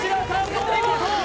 お見事！